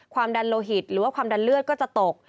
ความดันโลหิตหรือว่าความดันเลือดก็จะตก